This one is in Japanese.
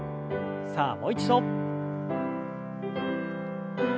さあもう一度。